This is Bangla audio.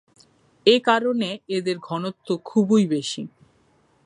এ কারণে এদের ঘনত্ব খুবই বেশি।